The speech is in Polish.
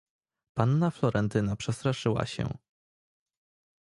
"Panna Florentyna przestraszyła się."